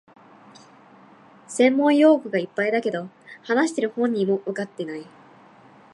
専門用語がいっぱいだけど、話してる本人もわかってない